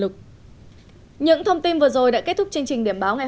cảm ơn các bạn đã theo dõi và hẹn gặp lại